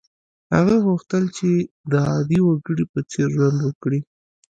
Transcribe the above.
هغه غوښتل چې د عادي وګړي په څېر ژوند وکړي.